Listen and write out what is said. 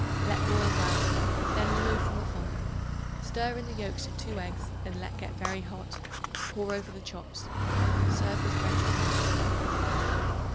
Let boil well; then remove from the fire; stir in the yolks of 2 eggs, and let get very hot; pour over the chops. Serve with French peas.